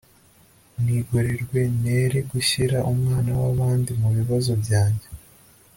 nigorerwe nere gushyira umwana wabandi mu bibazo byanjye